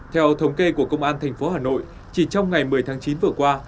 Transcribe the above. theo thống kê của công an tp hà nội chỉ trong ngày một mươi tháng chín vừa qua